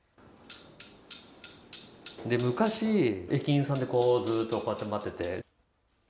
昔、駅員さんって、ずっとこうやって待ってて。